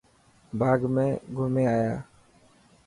باغ مان گھمي آيا؟